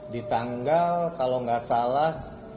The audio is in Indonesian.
di tanggal kalau nggak salah